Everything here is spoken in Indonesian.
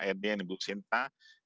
terima kasih ibu segda